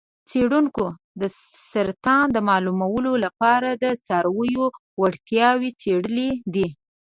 څیړونکو د سرطان د معلومولو لپاره د څارویو وړتیاوې څیړلې دي.